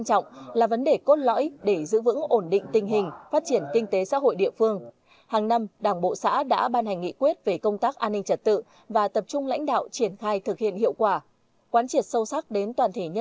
ở xã nhân quyền